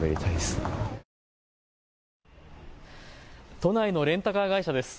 都内のレンタカー会社です。